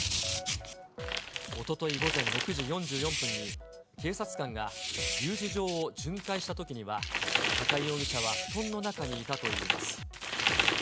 おととい午前６時４４分に、警察官が留置場を巡回したときには、高井容疑者は布団の中にいたといいます。